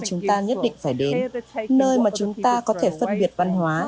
chúng ta nhất định phải đến nơi mà chúng ta có thể phân biệt văn hóa